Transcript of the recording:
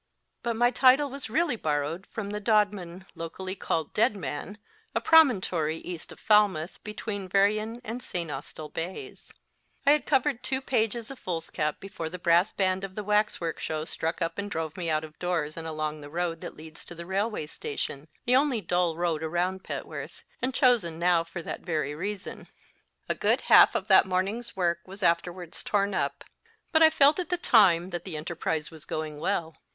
But my title was really borrowed from the Dodman, locally called Deadman, a promontory east of Falmouth, between Veryan and St. Austell bays, I had covered two pages of foolscap before the brass band of the waxwork show struck up and drove me out of doors and along the road that leads to the railway station the only dull road around Petworth, and chosen now for that very reason. A good half of that morning s work was afterwards torn up ; but I felt at the time that the enterprise was going well.